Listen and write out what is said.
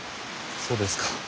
そうですか。